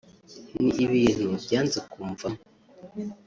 ni ibintu byanze kumvamo